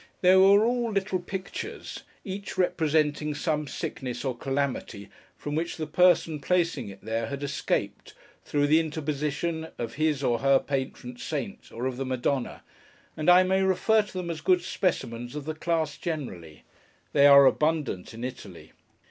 They were all little pictures: each representing some sickness or calamity from which the person placing it there, had escaped, through the interposition of his or her patron saint, or of the Madonna; and I may refer to them as good specimens of the class generally. They are abundant in Italy.